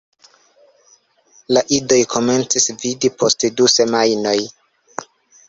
La idoj komencas vidi post du semajnoj.